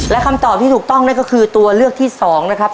และคำตอบที่ถูกต้องนั่นก็คือตัวเลือกที่๒นะครับ